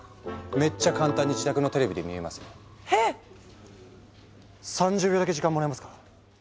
めっちゃ簡単に自宅のテレビで見れますよ。へ⁉３０秒だけ時間もらえますか？